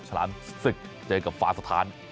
ฉลามศึกเจอกับฟาสถาน